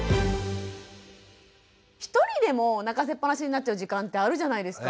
１人でも泣かせっぱなしになっちゃう時間ってあるじゃないですか。